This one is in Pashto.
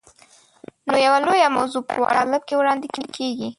نو یوه لویه موضوع په واړه کالب کې وړاندې کېږي.